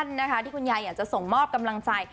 เป็นคลิปสั้นนะคะที่คุณยายอยากจะส่งมอบกำลังใจ